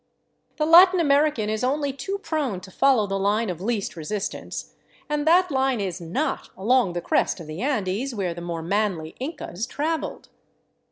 The Latin American is only too prone to follow the line of least re sistance, and that line is not along the crest of the Andes where the more manly Incas traveled.